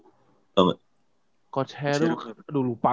kalo liat muka sih kayak diinget sih gue